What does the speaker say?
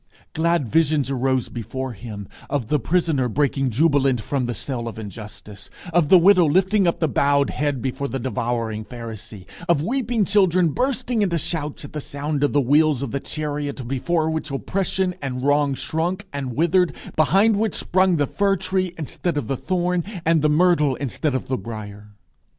Glad visions arose before him of the prisoner breaking jubilant from the cell of injustice; of the widow lifting up the bowed head before the devouring Pharisee; of weeping children bursting into shouts at the sound of the wheels of the chariot before which oppression and wrong shrunk and withered, behind which sprung the fir tree instead of the thorn, and the myrtle instead of the brier.